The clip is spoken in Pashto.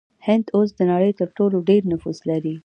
هند اوس د نړۍ تر ټولو ډیر نفوس لري.